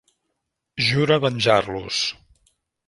Jura venjar-los.